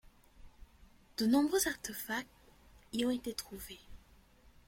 De nombreux artefacts y ont été retrouvés.